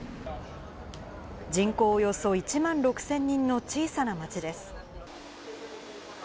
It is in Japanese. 人口およそ１万６０００人の小さな町です。